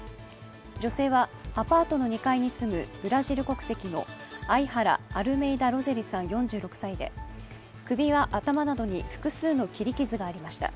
女性はアパートの２階に住むブラジル国籍のアイハラ・アルメイダ・ロゼリさん４６歳で首や頭などに複数の切り傷がありました。